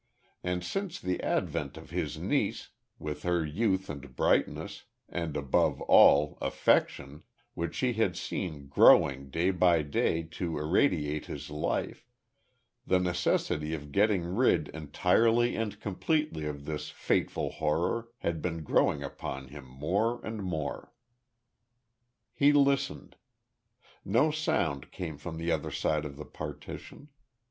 And since the advent of his niece, with her youth and brightness, and above all, affection which he had seen growing day by day to irradiate his life the necessity of getting rid entirely and completely of this fateful horror had been growing upon him more and more. He listened. No sound came from the other side of the partition.